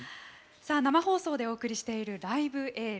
生放送でお送りしている「ライブ・エール」。